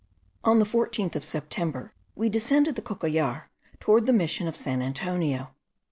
On the 14th of September we descended the Cocollar, toward the Mission of San Antonio.